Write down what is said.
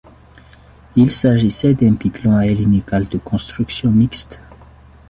Il s‘agissait d’un biplan à ailes inégales de construction mixte.